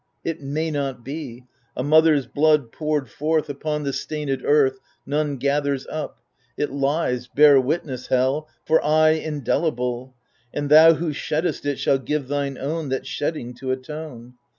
It may not be I a mother's blood, poured forth Upon the stainM earth. None gathers up : it lies — bear witness. Hell 1 — For aye indelible I And thou who sheddest it shalt give thine own That shedding to atone